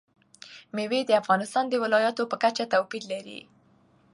مېوې د افغانستان د ولایاتو په کچه توپیر لري.